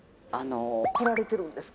「“来られてるんですか？”」